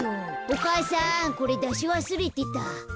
お母さんこれだしわすれてた。